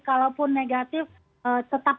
kalaupun negatif tetap